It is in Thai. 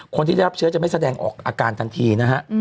คนที่ได้รับเชื้อจะไม่แสดงออกอาการทันทีนะฮะ